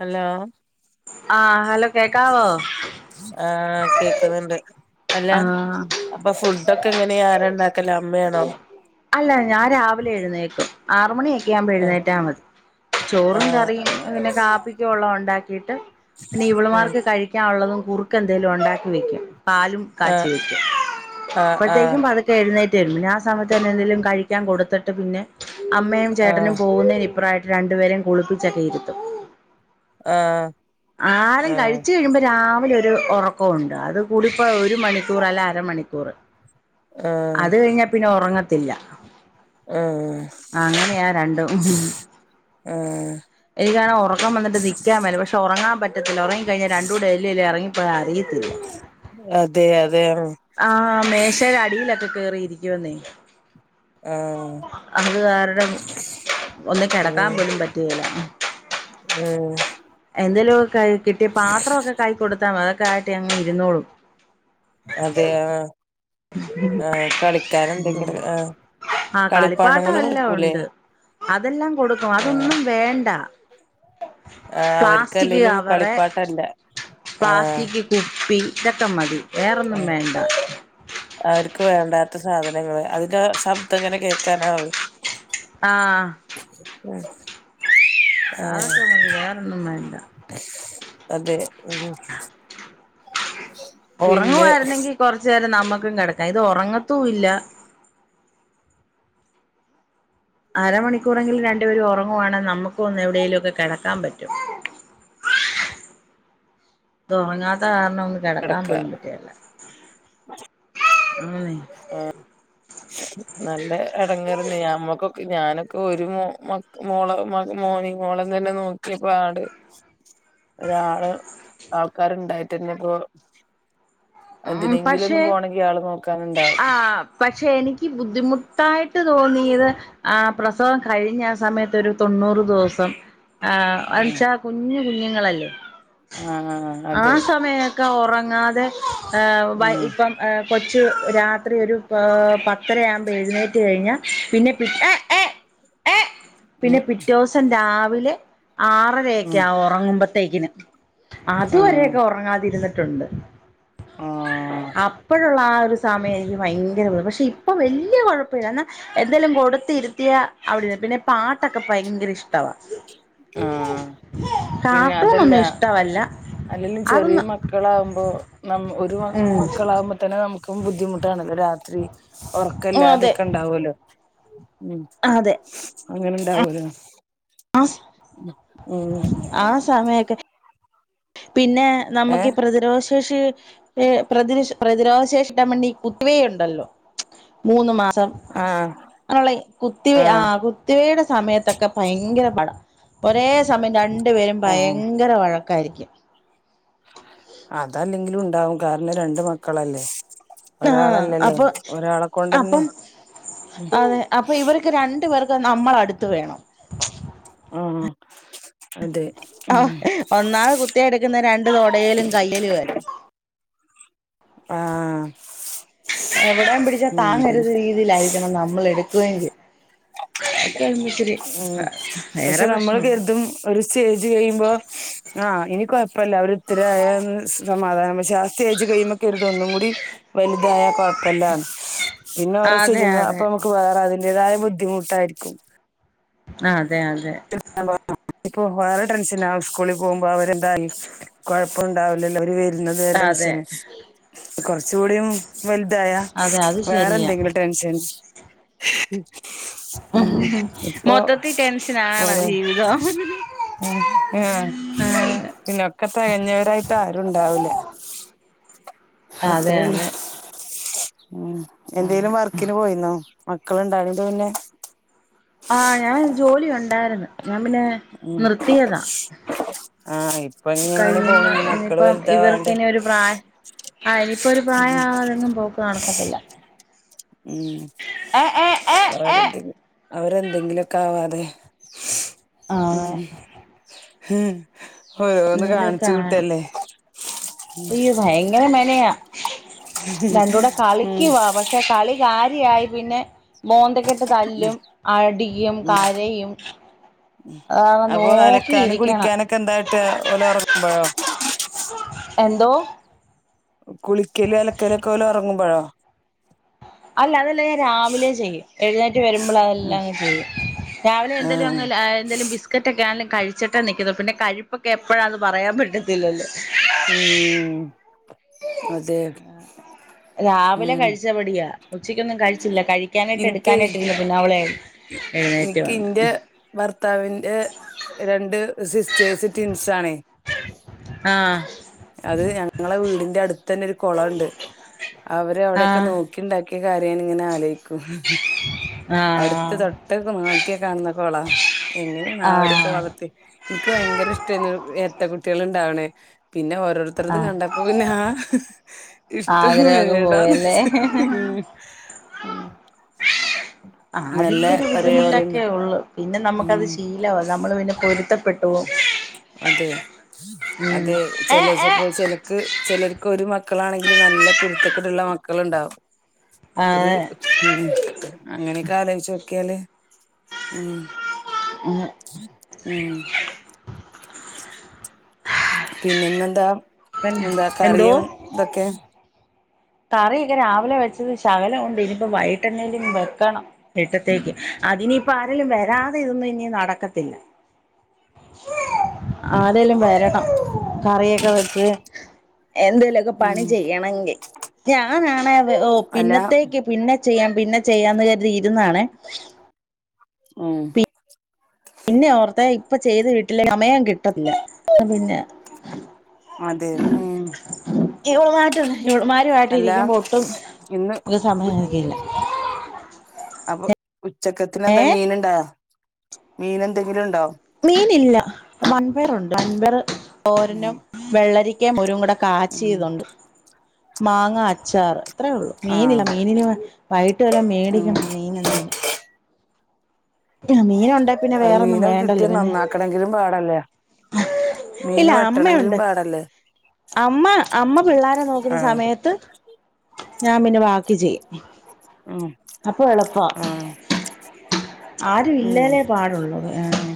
Hello ആഹ് hello കേക്കാവോ? ആഹ് കേക്ക്ന്ന്ണ്ട് അല്ല ആഹ് അപ്പ ഫുഡൊക്കെ എങ്ങനെയാ ആരാ ഇണ്ടാക്കല് അമ്മയാണോ? അല്ല ഞാൻ രാവിലെ എഴുന്നേക്കും ആറുമണിയൊക്കെ ആവുമ്പോ ആഹ് എഴുന്നേറ്റാ മതി ചോറും, ആഹ് കറിയും പിന്നെ കാപ്പിക്കുള്ളതും ഉണ്ടാക്കിട്ട് പിന്നെ ഇവള് ഉം മാർക്ക് കഴി ക്കാൻ ഉള്ളതും കുറുക്ക് എന്തെലും ഉണ്ടാക്കി വെക്കും പാലും കാച്ചി വെക്കും ആഹ് ആഹ് അപ്പോഴതെകും പ ക്കെ എഴുന്നേറ്റ് വെരും പിന്നെ ആ സമയത്തന്നെ എന്തേലും കഴിക്കാൻ കൊട്ത്ത്ട്ട് പിന്നെ അമ്മയും, ചേട്ടനും ആഹ് പോകുന്നതിന് ഇപ്രായിട്ട് രണ്ട് പേരെയും കുളിപ്പിച്ചക്കെ ഇരുത്തും ആഹ് ആരും ആഹ് കഴിച്ച് കഴിയുമ്പോ രാവിലെ ഒരു [unintelligible] ഒറക്കൊണ്ട് അത് കൂടി പോയ ഒരു മണിക്കൂറ് അല്ല അരമണിക്കൂറ് ആഹ് ആഹ് അത് കഴിഞ്ഞാ പിന്നെ ഒറങ്ങത്തില്ല ആഹ് രണ്ടും ആഹ് എനി കാരണം ഉറക്കം വന്നിട്ട് നിൽക്കാൻേ പക്ഷെ ഉറങ്ങാൻ പറ്റത്തില്ല ഉറങ്ങി കഴിഞ്ഞാ രണ്ട കൂടെ ഡലില്ല ഇറങ്ങിപ്പോയി അറിയത്തില്ല അതെ അതെ ആഹ മേശര അടിയിലൊക്കെ കേറിയിരിക്കുവന്നേ ആഹ് അത് കാരണം ഒന്ന് കിടക്കാൻ പോലും പറ്റതില്ല ഏഹ് എന്തേലുമ ക കിട്ടിയ പാത്രമൊക്കെ കൈ കൊടുത്താൽ അതൊക്കെ ആയിട്ട് അങ്ങ് ഇരുന്നോളും അതെ ആ ആഹ കളിക്കൻ എന്തെങ്കിലും ആഹ ആഹ കളിപ്പാട്ടം എല്ലാം ഉണ്ട് അതെല്ലാം കൊടുക്കും ആഹ് അതൊന്നും വേണ്ട ആഹ് പ്ലാസ്റ്റിക് അവർക്കല്ലേലും കവറ് കളിപ്പാട്ടല്ല ആഹ് പ്ലാസ്റ്റിക് കുപ്പി ഇതക്ക മതി വേറെന്നും ആഹ് വേണ്ട അവർക്ക് വേണ്ടാത്ത സാധനങ്ങള് അതിന്റെ ശബ്ദം എങ്ങനെ കേൾക്കാനാവേ ആഹ ഉഹ [unintelligible] അതൊക്കെ നമുക്ക് വേറെന്ന വേണ്ട അതെ ഉം പിന്നെ ഉറങ്ങുമായിരുന്നെങ്കിൽ കുറച്ചു നേരം നമുക്കും കിടക്കാം ഇത് ഉറങ്ങത്തൂ ഇല്ല അരമണിക്കൂറെങ്കിലും രണ്ടുപേരും ഉറങ്ങുവാണെങ്കിൽ നമുക്ക ഒന്നന്ന് എവിടെയേലും ഒക്കെ കിടക്കാൻ പറ്റും ഇത് ഒറങ്ങാത്ത കാരണം കിടക്കാൻ കെടക്കാ പോലും പറ്റല്ല അങ്ങനെ ആഹ് നല്ല ഇടങ്ങറന്നെ നമ്മക്കൊക്കെ ഞാനൊക്കെ ഒരു മോള മോനി മോളം തന്നെ നോക്കിയപ്പോ ആട് ഉ [unintelligible] ഒരാള് ആൾക്കാരുണ്ടായിട്ടന്ന ഇപ്പോ ഉം എന്തിനെങ്കിലും ഒന്ന പക്ഷെ പോണമെങ്കിൽ ആയാള് നോക്കാനുണ്ടാവും ആ പക്ഷെ എനിക്ക് ബുദ്ധിമുട്ടായിട്ട് തോന്നിയത് ആ പ്രസവം കഴിഞ്ഞ ആ സമയത്ത് ഒരു തൊണ്ണൂറ് ദിവസം ആ ആഹ് അച്ചാ കുഞ്ഞ് കുഞ്ഞുങ്ങളല്ലേ ആഹ് ആ അതെ സമയ ക്ക ഒറങ്ങാതെ ഏഹ് വൈ ഉം ഇപ്പം ഏഹ് കൊച്ചു രാത്രി ഒരു പത്തരയാവുമ്പോ എഴുന്നേറ്റ് കഴിഞ്ഞാൽ പിന്നെ പി ഏയ്‌ ഏയ്‌ ഏയ്‌ ഉം പിന്നെ പിറ്റേദിവസം രാവിലെ ആറരെയൊക്കെ ഉം ആവും ഒറങ്ങുമ്പോത്തേക്കിന്. ആഹ് അതുവരെയൊക്കെ ഒറങ്ങാതിരുന്നിട്ടുണ്ട്. ആഹ് അപ്പോഴുള്ള ആ ഒരു സമയത്ത് ഭയങ്കര കൊഴപ്പാ പക്ഷേ ഇപ്പ വലിയ കൊഴപ്പമില്ല എന്നാൽ എന്തേലും കൊടുത്തിരുത്തിയ അവിടെര്ന്ന് പിന്നെ പാട്ടൊക്കെ ഭയങ്കര ഇഷ്ട ട്ടവാ. ആഹ് കാർട്ടൂണൊന്നു ഇഷ്ടവല്ല. അല്ലെങ്കും ചെറിയ അതൊന്നും മക്ക്‌ മക്കളാവുമ്പോ ന ഒരു മക്ക് ഉം മക്കളാകുമ്പോ തന്നെ നമുക്കും ബുദ്ധിമുട്ടാണല്ലോ രാത്രി ഒറക്കെല്ലാതൊക്കെ ഇണ്ടാവ്അല്ലോ. ഉം ആഹ് അതെ. അങ്ങനെ ഇണ്ടാവൂലോ? ആഹ് ഉം ആ സമയൊക്കെ പിന്നെ ഏ നമുക്കീ പ്രതിരോധ ശേഷി ഏ ഹ് പ്രതിര പ്രതിരോധ ശേഷിട്ട വേണ്ടി ഈ കുത്തവേയുണ്ടല്ലോ മൂന്ന് മാസം ആഹ് അങ്ങനെയുള്ള കുത്തിവെയ് ആഹ് കുത്തിവെയുടെ സമയത്തൊക്കെ ഭയങ്കര പാടാ. ഒരേ സമയം രണ്ടു പേരും ആഹ് ഭയങ്കര വഴക്കായിരിക്കും. അതല്ലെങ്കിലും ഉണ്ടാവും കാരണം രണ്ട് മക്കളല്ലേ? ആ ഒരാളല്ലല്ലോ. അപ്പൊ ഒരാളെ കൊണ്ട്ന്നെ അപ്പം അതെ അപ്പൊ ഇവര്ക്ക് രണ്ടു പേർക്കും നമ്മളടുത്ത് വേണം. ആഹ്. അതെ. ഉം ആഹ് ഒന്നാമത് കുത്തിയെടുക്കുന്നെ രണ്ടു തൊടേലും കയ്യേലുമല്ലെ. ആഹ്. എവിടേം പിടിച്ചാ താങ്ങരുത് ഉം രീതിയിലായിരിക്കണം നമ്മള് എടുക്കുകയും ചെയ് അതക്കെ ഇണ്ട്ച്ചിരി ഉം അ ഭയങ്കര പക്ഷെ നമ്മൾ പ്രശ്നവ കരുതും ഒരു സ്റ്റേജ് കഴിയുമ്പോ ആ ഇനി കൊഴപ്പല്ല അവര് ഇത്തരായന്ന് സമാധാനം പക്ഷെ ആ സ്റ്റേജ് കഴിയുമ്പോ കെരുതു ഒന്നും കൂടി വലുതായ കൊഴപ്പല്ലാന്ന്. പിന്നെ ഓരോ അതെ സ്റ്റേജ്മ്മേ അതെ അപ്പൊ നമുക്ക് വേറെ അതിന്റേതായ ബുദ്ധിമുട്ടായിരിക്കും. ആഹ് അതെ അതെ. ഇ [unintelligible] ഇപ്പൊ വേറെ ടെൻഷന ഇസ്കൂളിൽ പോകുമ്പോ അവരെന്തായി കൊഴപ്പംണ്ടാവില്ലല്ലോ അവര് ഇന്ന് അതെ പേരന്റ്സിന്. കൊറെച്ച് കൂടിയും വലുതായാ അതെ അത് ശരിയാ വേറെന്തെങ്കിലും ടെൻഷൻ മ് ഇപ്പൊ മൊത്തത്തി ടെൻഷനാണ് ഓരോ ജീവിതം മ് ആഹ് പിന്നൊക്കെ തെകഞ്ഞവരായിട്ട് ആരുണ്ടാവൂല അതെ അത്രേഒള്ളൂ. അതെ മ്മ്ഹ് എന്തേലും വർക്കിന് പോയിരുന്നോ? മക്കളുണ്ടായത്കൊണ്ട് പിന്നെ? ആഹ് ഞാൻ ജോലി ഉണ്ടായിരുന്നു. ഞാൻ പിന്നെ മ്മ്ഹ് നിർത്തിയതാ ആഹ് ഇപ്പ ഇന്നി ഇങ്ങനെ പോണ് ഇനി മക്കള് വൽ ഇവർക്കിനി ഒരു പ്രായം ആഹ് ഇനിപ്പോ ഒരു ഉം പ്രായം അവാതെങ്ങും ഒരു പോക്ക് നടക്കത്തില്ല. മ്മ്ഹ്. ഏഹ് ഏഹ് അവരെന്തെ അവരെന്തെങ്കിലൊക്കാവാതെ ആഹ് മ്മ്ഹ് ഹ് ഓരോന്ന് കാണിച്ചു കൂട്ടല്ലേ ഈ ഭയങ്കര മെനയാ. രണ്ടൂടെ ഉം കളിക്ക്‌വാ പക്ഷെ പക്ഷെ കളി കാര്യായി പിന്നെ മോന്തക്കിട്ട് തല്ലും അടിയ്ക്കും ഉം കരയും അതാണെ നോക്കിയിരിക്കണം ഒക്കെ എന്തായിട്ട് ഓല് ഉറങ്ങുമ്പൊഴോ എന്തോ കുളിക്കല് അലക്കലൊക്കെ ഓല് ഉറങ്ങുമ്പോഴോ അല്ല അതല്ല ഞാൻ രാവിലെ ചെയ്യും എഴുന്നേറ്റ് വരുമ്പളതെല്ലാം അങ്ങ് ചെയ്യും രാവിലെ എന്തേലുങ്ങ് ആഹ് ലാ ഹ് എന്തെലും ബിസ് കറ്റൊക്കെ ആന്നേലും കഴിച്ചിട്ടെ നിക്കത്തോള് പിന്നെ കഴുപ്പൊക്കെ എപ്പഴാന്ന് പറയാൻ പറ്റത്തില്ലല്ലോ ഉം അതെ രാവിലെ ഉം കഴിച്ചപടിയാ ഉച്ചക്കൊന്നും കഴിച്ചില്ല കഴിക്കാനായിട്ട് ഇൻക്കെയ് എടുക്കാനായിട്ടിരുന്ന പിന്നവളെ എഴുന്നേറ്റ് ഇൻക്ക് വന്ന് ഇന്റെ ഭർത്താവിന്റെ രണ്ട് സിസ്റ്റേഴ്സ് ട്വിൻസാണേ അഹ് അത് ഞങ്ങളെ വീടിന്റെ അടുത്ത് തന്നെ ഒരു കുളണ്ട് അവര് അവിടെക്കെ ആഹ് നോ ക്കിണ്ടാക്ക്യ കാര്യം ഞാനിങ്ങനെ ആലോയ്ക്കും അടുത്ത് ആഹ് തൊട്ടട്ത്ത് നോക്ക്യ കാണുന്ന കൊള എങ്ങനേണാവൊ അവരൊക്കെ ആഹ് വളർത്ത്യെ ഇനിക്ക് ഭയങ്കര ഇഷ്ട്ടെരുന്നു ഇരട്ട കുട്ടീള്ണ്ടാവ്ണെ പിന്നെ വ ഓരൊര്ത്തരത് ആഹ് കണ്ടപ്പൊ പിന്നെ ആഹ് ഇഷ്ട്ടം ആഗ്രഹം അങ്ങ് വേണ്ടാന്ന് പോയല്ലേ വെച്ച് ഉം ഉം ആദ്യത്തെ ഒരു ബുദ്ധിമുട്ടൊക്കെ ഉള്ളു പിന്നെ നമ്മക്കത് ഉം ഷീ ലാവും നമ്മള് പിന്നെ പൊരുത്തപ്പെട്ടു പോവും അതേ ഉം അതേ ചെലേ ഏഹ് ഏഹ് ചെപ്പൊ ചിലർക്ക് ചെലർക്ക് ഒരു മക്കളാണെങ്കിലും നല്ല കുരുത്തക്കെട്ള്ള മക്കള്ണ്ടാവും ആഹ് ഒര് ഉം ഉം അങ്ങനെക്കെ ആലോയ്ച്ചൊക്ക്യാല് ഉം ഇന്ന് ഉം പിന്നെ ഇന്നെന്താ പിന്നെ എന്താ എന്തോ കറിയും ഇതൊക്കേ കറിയൊക്കെ രാവിലെ വെച്ചത് ശകലം ഉണ്ട് ഇനിയിപ്പൊ വൈകിട്ട് എന്തെങ്കിലും വെക്കണം ഇട്ടത്തേക്ക് അതിനിയിപ്പ ആരെലും വരാതെ ഇതൊന്നും ഇനി നടക്കത്തില്ല ആരേലും വരണം കറിയൊക്കെ വെക്ക് എന്തേലൊക്ക പണി ഉം ചെയ്യണെങ്കി ഞാനാണെ ഓഹ് അല്ല പിന്നത്തേക്ക് പിന്നെ ചിയ്യാം പിന്നെ ചിയ്യാം കരുതി ഇരുന്നാണെ ഉം പിന്നെ ഓർത്തെ ഇപ്പൊ ചെയ്ത് വിട്ടിലെ സമയം കിട്ടത്തില്ല പിന്നെ അതേ ഉം ഇവളുമായിട്ട് ഇവളുമാരുമായിട്ട് അല്ല ഇരിക്കുമ്പൊ ഒട്ടും ഇന്ന് ഉ സമയം കിട്ടില്ല അപ്പൊ ഉച്ചക്കത്തിന് ഏ എന്ത മീന്ണ്ടാ മീന് എന്തെങ്കിലും ഇണ്ടൊ മീനില്ല വൺപയറുണ്ട് വൺപയറ് ഉം തോരനും വെള്ളരി ക്ക കുരുമുള ഉം കാച്ചീതുണ്ട് മാങ്ങ അച്ചാറ് അത്രെ ഉള്ളു മീനില്ല ആഹ് മീനിന് വൈകിട്ട് വല്ലൊം ഉം മേടിക്കണം മീന് എന്തേലും മീന് ഉണ്ടേ പിന്നെ വേറൊന്നും വേണ്ടല്ലൊ പിന്നെ വെക്കണെങ്കിലും പാടല്ലെ ഇല്ല മീന് വെട്ടണെങ്കിലും അമ്മയുണ്ട് പാടല്ലെ അമ്മ അമ്മ പിള്ളാരെ നോക്ക്ണ സമയത്ത് ഞാൻ പിന്നെ ബാക്കി ചെയ്യും ഉം അപ്പൊ എളുപ്പ ആഹ് ആരു ഉം ഇല്ലാലേ പാടുള്ളു ഏഹ്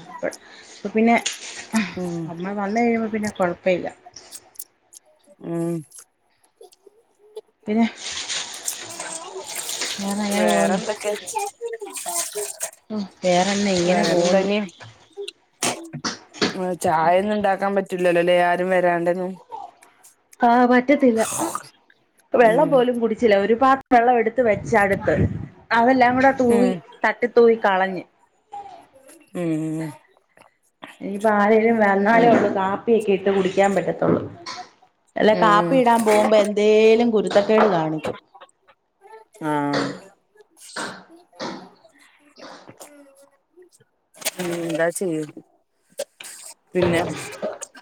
ഇപ്പൊ പിന്നെ ഉം അമ്മ വന്നു കഴിയുമ്പൊ പിന്നെ കൊഴപ്പല്ല ഉം പിന്നെ വേറെ എങ്ങനെ പോവുന്നു വേറെന്തൊക്കെ ഉം വേറെന്ത ഇങ്ങനെ വേറെന്താ പോവ്ന്ന് ഇനി ചായൊന്നും ഇണ്ടാക്കാ പറ്റൂലലൊലേ ആരും വരാണ്ടെന്നും ആഹ് പറ്റത്തില്ല വെള്ളം ഉം പോലും കുടിച്ചില്ല ഒരു പാ വെള്ളം എടുത്ത് വെച്ചടുത്ത് അതെല്ലാം കൂടെ തൂവി ഉം തട്ടിത്തൂവി കളഞ്ഞ് ഉം ഇനിയിപ്പൊ ആരേ ലും വന്നാലെ ഉം ഉള്ളു കാപ്പിയൊക്കെ ഇട്ട് കുടിക്കാൻ പറ്റത്തുള്ളു അല്ലെ കാപ്പി ഉം ഇടാൻ പോവുമ്പൊ എ ന്തേലും കുരുത്തക്കേട് കാണിക്കും ആഹ് [inaudible] ഉം ഉം എന്താ ചെയ്യ് പിന്നെ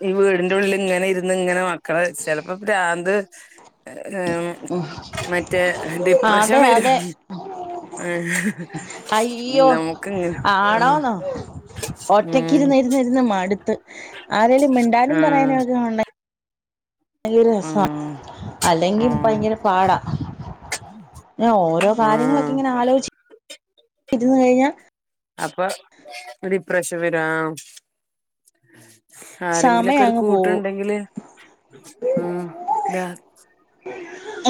ഈ വീടിന്റെ ഉള്ളിൽ ഇങ്ങനെ ഇരുന്ന് ഇങ്ങനെ മക്കളെ ചെലപ്പോൾ പ്രാന്ത്- മറ്റേ ഡിപ്രഷൻ അതെ വരും അതെ ആഹ് അയ്യോ നമുക്ക് അങ്ങനെ [unintelligible] ഒറ്റക്കിരുന്നിരുന്ന് മടുത്ത് ആരെലും മിണ്ടാനും ആഹ് പറയാനൊക്കെ ഉണ്ടെങ്കി- ഭയങ്കര രസമാ ആഹ് അല്ലെങ്കിൽ ആഹ് ഭയങ്കര പാടാ ഓരോ കാര്യങ്ങളൊക്കെ ആഹ് ഇങ്ങനെ ആലോചിച്ചിരുന്നു കഴിഞ്ഞാ- അപ്പൊ ഡിപ്രഷൻ വരാം ആരെങ്കിലുമൊക്കെ സമയം ഒരു അങ്ങ് പോകും കൂട്ടുണ്ടെങ്കില് - ഉം എന്താ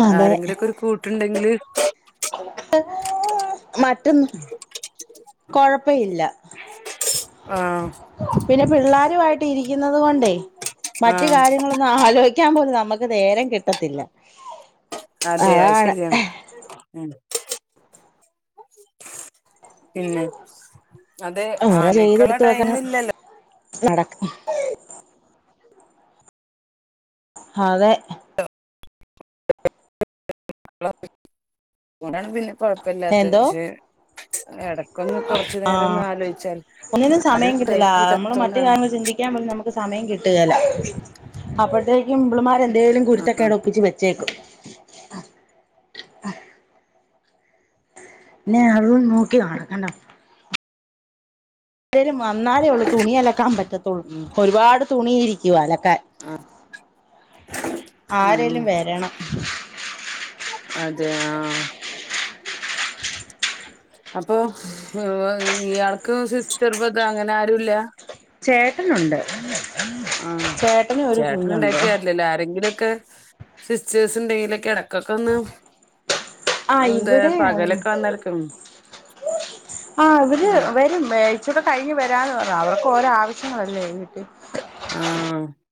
അതെ ആരെങ്കിലുമൊക്കെ ഒരു കൂ- ട്ടു ഇണ്ടെങ്കില് - മ [unintelligible] ഒട്ടും കൊഴപ്പമില്ല ആഹ് പിന്നെ പിള്ളേരുമായിട്ട് ഇരിക്കുന്നത് കൊണ്ടേ മറ്റ് ആഹ് കാര്യങ്ങളൊന്നും - ഒന്ന് ആലോചിക്കാൻ പോലും നമുക്ക് നേരം കിട്ടത്തില്ല അതെ അത് അതാണ് ശരിയാണ് ഉം പിന്നെ അതെ ആലോചിക്കാനുള്ള ടൈം ഇല്ലല്ലോ നടക്ക് അതെ അതാണ് പിന്നെ കൊഴപ്പമില്ലാത്തെ എന്തോ പക്ഷെ - എടക്കൊന്ന് കൊറച്ച് നേരം ഒന്ന് ആഹ് ആലോചിച്ചാല് ഒന്നിനും അതിന് സമയം ടൈം കിട്ടില്ല നമ്മള് കിട്ടാത്തത് മറ്റു കൊണ്ടാണോ [unintelligible] നമുക്ക് സമയം കിട്ടുകേല അപ്പോഴത്തേക്കും ഇവളുമാര് എ - എന്തേലും ആ കുരുത്തക്കേട് ഒപ്പിച്ച് വെച്ചേക്കും ഇനി അതും നോക്കി നടക്കണ്ട ആരേലും വന്നാലേ ഉള്ളൂ തുണി അലക്കാൻ പറ്റത്തുള്ളൂ ഉം ഒരുപാട് തുണിയിരിക്കുവ അലക്കാൻ ആ ഉം ആരെലും വരണം അതെ ആഹ് അപ്പൊ - ഉം [unintelligible] ഇയാൾക്ക് സിസ്റ്റർ ബ്രദർ അങ്ങനെ ആരും ഇല്ലാ ചേട്ടനുണ്ട് ആഹ് ചേട്ടന് ഒരു ചേട്ടൻ കുഞ്ഞുണ്ട് ഉണ്ടായിട്ട് കാര്യമിലല്ലോ ആരെങ്കിലും ഒക്കെ സിസ്റ്റേഴ്സ് ഉണ്ടെങ്കിലും ഒക്കെ കേറാം ഇക്കാക്ക വന്ന് ആ എന്താ ഇവിടെ പകലൊക്കെ വന്ന് കെടക്കുള്ളു ആഹ് ഇവര് വരും ഇച്ചൂടെ കഴിഞ്ഞ് വരാന്ന് പറഞ്ഞ് അവർക്കും ഓരോ ആവശ്യങ്ങൾ അല്ലേ വീട്ടിൽ ആഹ്